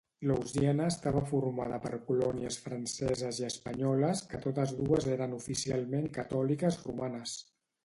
Louisiana estava formada per colònies franceses i espanyoles que totes dues eren oficialment catòliques romanes.